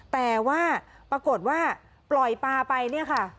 แต่ว่าปรากฏว่าปล่อยปลาไปเนี่ยค่ะ